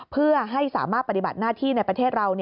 เพื่อให้สามารถปฏิบัติหน้าที่ในประเทศเรา